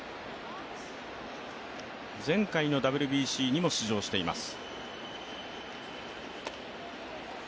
前回のＷＢＣにも出場しています。